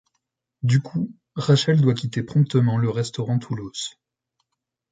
Du coup, Rachel doit quitter promptement le restaurant Toulos.